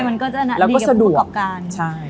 มันก็จะนัดดีกับผู้ประกอบการ